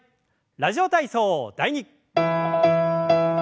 「ラジオ体操第２」。